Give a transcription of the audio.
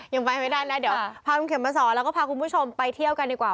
ยังไปไม่ได้นะเดี๋ยวพาคุณเข็มมาสอนแล้วก็พาคุณผู้ชมไปเที่ยวกันดีกว่า